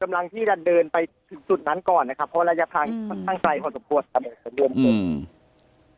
กำลังที่จะเดินไปถึงสุดนั้นก่อนนะครับเพราะระยะภัณฑ์ทางใจความสมควร